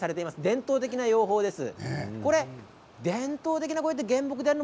伝統的な農法です。